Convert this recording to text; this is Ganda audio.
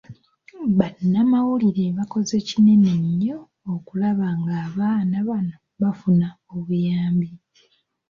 Bannamawulire bakoze kinene nnyo okulaba ng'abaana bano bafuna obuyambi .